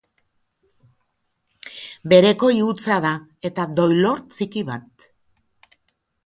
Berekoi hutsa da, eta doilor txiki bat.